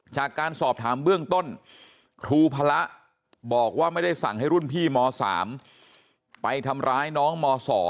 จากการสอบถามเบื้องต้นครูพระบอกว่าไม่ได้สั่งให้รุ่นพี่ม๓ไปทำร้ายน้องม๒